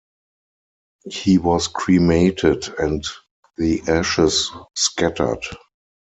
He was cremated and the ashes scattered.